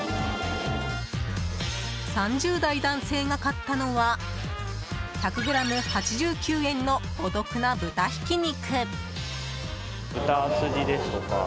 ３０代男性が買ったのは１００ｇ８９円のお得な豚ひき肉。